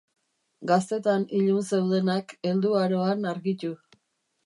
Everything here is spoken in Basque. Gaztetan ilun zeudenak helduaroan argitu.